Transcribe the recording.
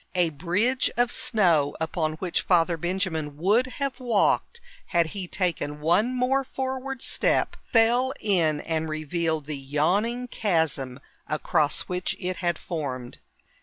A bridge of snow, upon which Father Benjamin would have walked had he taken one more forward step, fell in and revealed the yawning chasm across which it had formed.